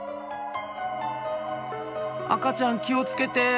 赤ちゃん気を付けて。